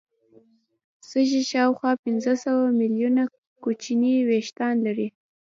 سږي شاوخوا پنځه سوه ملیونه کوچني وېښتان لري.